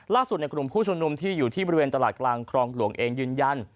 ในกลุ่มผู้ชุมนุมที่อยู่ที่บริเวณตลาดกลางครองหลวงเองยืนยัน